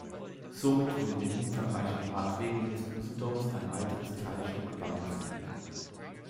Somit wurde dem umfangreichen Radwegenetz Usedoms ein weiteres Teilstück beigefügt.